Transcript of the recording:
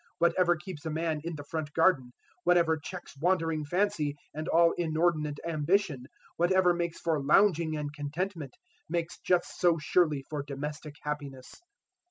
Whatever keeps a man in the front garden, whatever checks wandering fancy and all inordinate ambition, whatever makes for lounging and contentment, makes just so surely for domestic happiness."